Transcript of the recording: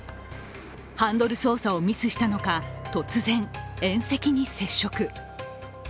ハンドル操作をミスしたのか、突然、縁石に接触。